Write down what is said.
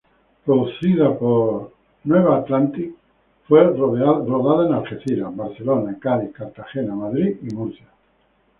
Producida por New Atlantis, fue rodada en Algeciras, Barcelona, Cádiz, Cartagena, Madrid y Murcia.